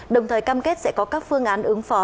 đồng thời cam kết sẽ có các phương án ứng phó